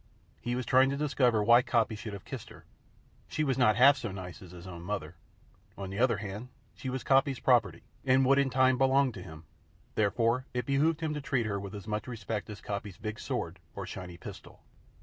He was trying to discover why Coppy should have kissed her. She was not half so nice as his own mother. On the other hand, she was Coppy's property, and would in time belong to him. Therefore it behooved him to treat her with as much respect as Coppy's big sword or shiny pistol.